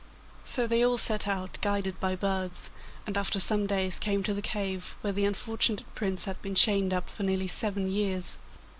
So they all set out, guided by birds, and after some days came to the cave where the unfortunate Prince had been chained up for nearly seven years.